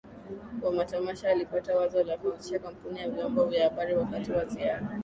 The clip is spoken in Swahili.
wa matamasha Alipata wazo la kuanzisha kampuni ya vyombo vya habari wakati wa ziara